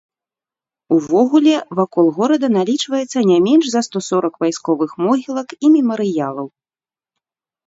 Увогуле вакол горада налічваецца не менш за сто сорак вайсковых могілак і мемарыялаў.